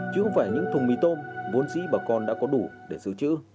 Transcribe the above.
chứ không phải những thùng mì tôm vốn dĩ bà con đã có đủ để giữ chữ